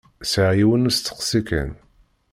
Sɛiɣ yiwen n usteqsi kan.